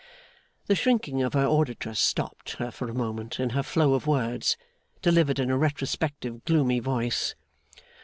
The shrinking of her auditress stopped her for a moment in her flow of words, delivered in a retrospective gloomy voice.